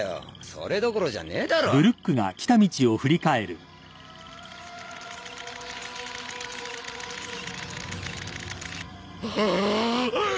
それどころじゃねえだろあーっ！